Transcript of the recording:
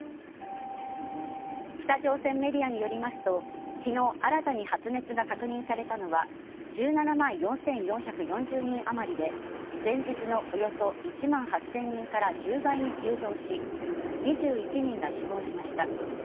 北朝鮮メディアによりますと昨日新たに発熱が確認されたのは１７万４４４０人あまりで前日のおよそ１万８０００人から１０倍に急増し２１人が死亡しました。